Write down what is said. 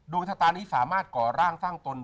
ชะตานี้สามารถก่อร่างสร้างตน